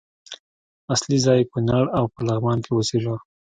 اصلي ځای یې کونړ او په لغمان کې اوسېده.